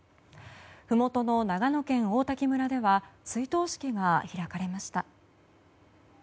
ふもとの長野県王滝村では追悼式が開かれました。